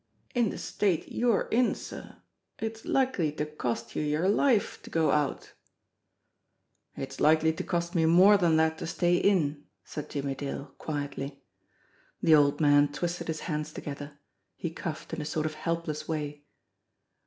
"In the state you're in, sir, it's likely to cost you your life to go out." 226 JIMMIE DALE AND THE PHANTOM CLUE "It's likely to cost me more than that to stay in," said Jimmie Dale, quietly. The old man twisted his hands together; he coughed in a sort of helpless way.